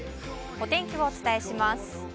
お天気をお伝えします。